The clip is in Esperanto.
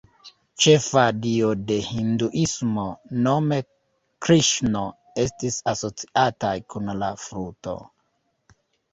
Ĉefa dio de Hinduismo, nome Kriŝno, estis asociataj kun la fluto.